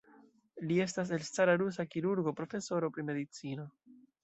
Li estas elstara rusa kirurgo, profesoro pri medicino.